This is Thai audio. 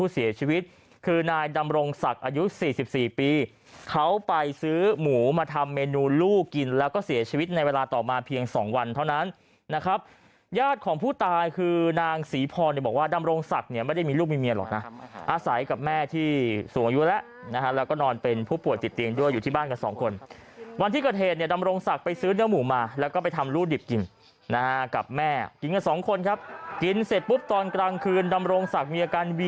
เสียชีวิตคือนายดำรงศักดิ์อายุ๔๔ปีเขาไปซื้อหมูมาทำเมนูลู่กินแล้วก็เสียชีวิตในเวลาต่อมาเพียง๒วันเท่านั้นนะครับญาติของผู้ตายคือนางศรีพรบอกว่าดำรงศักดิ์เนี่ยไม่ได้มีลูกมีเมียหรอกนะอาศัยกับแม่ที่สูงอายุแล้วนะฮะแล้วก็นอนเป็นผู้ป่วยติดเตียงด้วยอยู่ที่บ้านกันสองคนวันที่ก